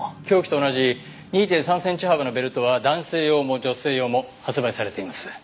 凶器と同じ２．３センチ幅のベルトは男性用も女性用も発売されています。